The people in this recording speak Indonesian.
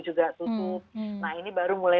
juga tutup nah ini baru mulai